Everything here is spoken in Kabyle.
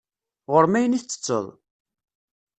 Ɣur-m ayen i ttetteḍ.